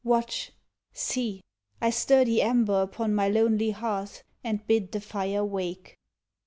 Watch! See! I stir the ember Upon my lonely hearth and bid the fire wake.